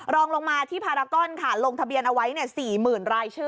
รองลงมาที่พารากอนค่ะลงทะเบียนเอาไว้๔๐๐๐รายชื่อ